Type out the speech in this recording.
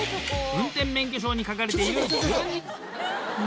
運転免許証に書かれている。